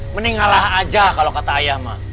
mendinganlah aja kalau kata ayah ma